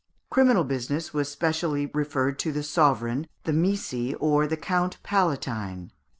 Criminal business was specially referred to the sovereign, the missi, or the Count Palatine.